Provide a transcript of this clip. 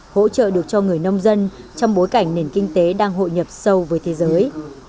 hỗ trợ được cho người nông dân trong bối cảnh nền kinh tế đang hội nhập sâu với thế giới